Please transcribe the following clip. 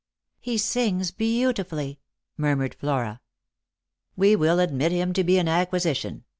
" He sings beautifully," murmured Flora. "We will admit him to be an acquisition.